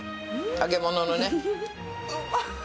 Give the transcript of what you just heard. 揚げ物のね。